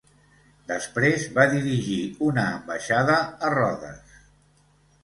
Després va dirigir una ambaixada a Rodes.